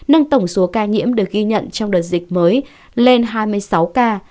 nâng tổng số ca nhiễm được ghi nhận trong đợt dịch mới lên hai mươi sáu ca